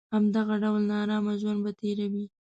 همدغه ډول نارامه ژوند به تېروي.